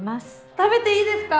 食べていいですか？